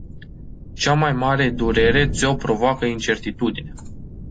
Cea mai mare durereți-o provoacă incertitudinea.